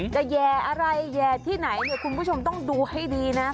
แย่อะไรแย่ที่ไหนเนี่ยคุณผู้ชมต้องดูให้ดีนะ